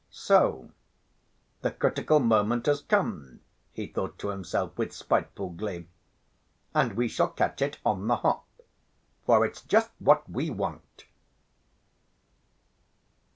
"So the critical moment has come," he thought to himself with spiteful glee, "and we shall catch it on the hop, for it's just what we want."